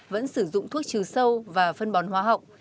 vẫn sử dụng thuốc trừ sâu và phân bón hóa học